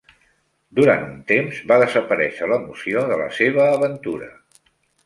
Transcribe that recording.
Durant un temps, va desaparèixer l'emoció de la seva aventura.